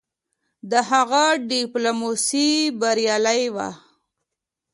د هغه ډيپلوماسي بریالی وه.